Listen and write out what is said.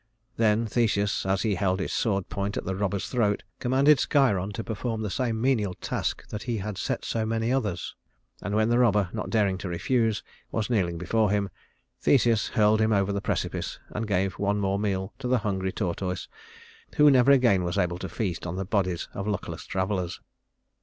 Then Theseus, as he held his sword point at the robber's throat, commanded Sciron to perform the same menial task that he had set so many others; and when the robber, not daring to refuse, was kneeling before him, Theseus hurled him over the precipice and gave one more meal to the hungry tortoise, who never again was able to feast on the bodies of luckless travelers.